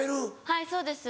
はいそうです